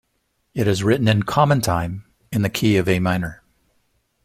It is written in common time in the key of A minor.